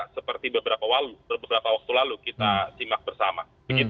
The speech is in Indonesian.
seperti beberapa waktu lalu kita simak bersama